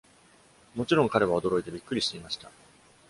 もちろん、彼は驚いてびっくりしていました。